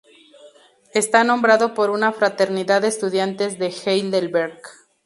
Está nombrado por una fraternidad de estudiantes de Heidelberg.